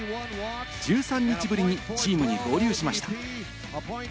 １３日ぶりにチームに合流しました。